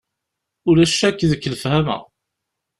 Ulac akk deg-k lefhama.